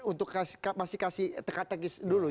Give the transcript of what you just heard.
untuk masih kasih teka tekis dulu